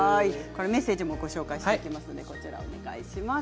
メッセージもご紹介します。